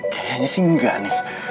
kayaknya sih enggak nis